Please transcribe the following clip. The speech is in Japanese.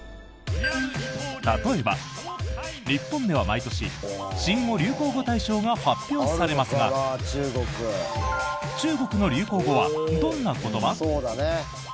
例えば、日本では毎年新語・流行語大賞が発表されますが中国の流行語はどんな言葉？